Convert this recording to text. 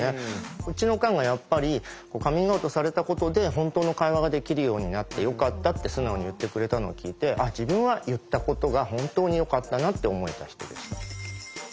うちのおかんがやっぱりカミングアウトされたことで本当の会話ができるようになってよかったって素直に言ってくれたのを聞いて自分は言ったことが本当によかったなって思えた人でした。